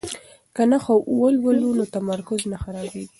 که نښه وولو نو تمرکز نه خرابیږي.